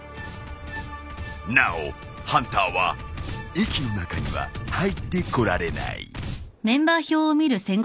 なおハンターは駅の中には入ってこられない。